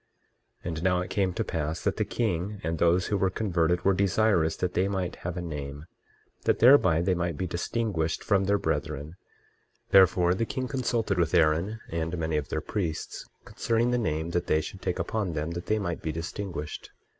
23:16 And now it came to pass that the king and those who were converted were desirous that they might have a name, that thereby they might be distinguished from their brethren; therefore the king consulted with Aaron and many of their priests, concerning the name that they should take upon them, that they might be distinguished.